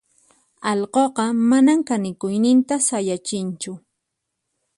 allquqa manan kanikuyninta sayachinchu.